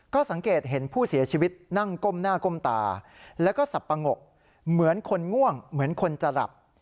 ก็สังเกตเห็นผู้เสียชีวิตนั่งก้มหน้าก้มตาแล้วก็สับปะงกเหมือนคนง่วงเหมือนคนจะหลับ